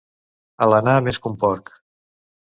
Alenar més que un porc.